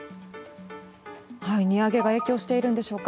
値上げが影響しているんでしょうか。